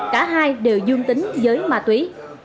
cả hai đều dương tính giới ma túy